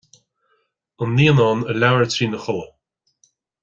An naíonán a labhair trína chodladh